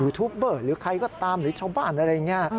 ทูปเบอร์หรือใครก็ตามหรือชาวบ้านอะไรอย่างนี้